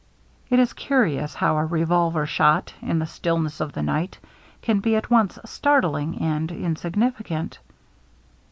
It is curious how a revolver shot, in the stillness of the night, can be at once startling and insignifi cant.